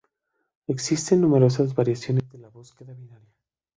Existen numerosas variaciones de la búsqueda binaria.